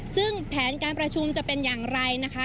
ซึ่งแผนการประชุมจะเป็นอย่างไรนะคะ